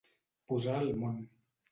Posar al món.